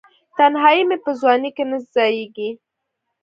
تنهایې مې په ځوانۍ کې نه ځائیږې